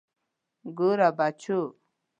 ګوره بچو.